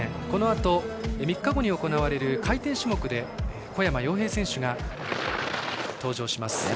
このあと、３日後に行われる回転種目で小山陽平選手が登場します。